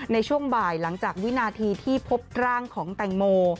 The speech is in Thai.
ในช่วงบ่ายหลังจากวินาทีที่พบร่างของแตงโม